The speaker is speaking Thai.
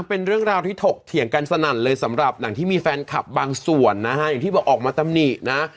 เป็นเรื่องราวที่ถกเถียงกันสนั่นเลยสำหรับหนังที่มีแฟนคลับบางส่วนนะฮะอย่างที่บอกออกมาตำหนินะ